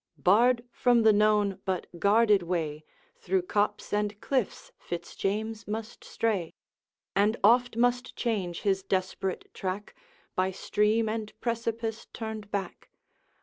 Barred from the known but guarded way, Through copse and cliffs Fitz James must stray, And oft must change his desperate track, By stream and precipice turned back.